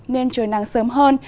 nên trời nắng sớm hơn